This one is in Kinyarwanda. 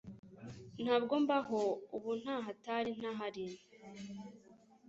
Ntabwo mbaho ubu nda hatri ntahari